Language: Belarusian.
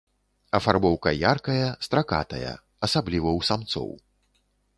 Афарбоўка яркая, стракатая, асабліва у самцоў.